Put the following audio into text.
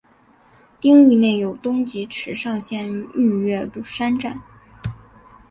町域内有东急池上线御岳山站。